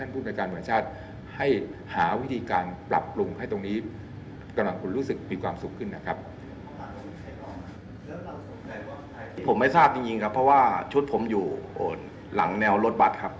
ผมไม่ทราบจริงครับเพราะว่าชุดผมอยู่หลังแนวรถบัตรครับ